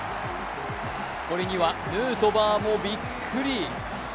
これにはヌートバーもびっくり。